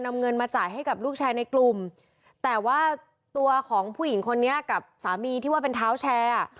เพราะว่าของผู้หญิงคนนี้กับสามีที่ว่าเป็นเท้าแชร์